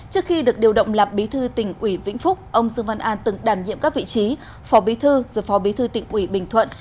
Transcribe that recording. trước khi được điều động làm bí thư tỉnh ủy vĩnh phúc ông dương văn an từng đảm nhiệm các vị trí phó bí thư giờ phó bí thư tỉnh ủy bình thuận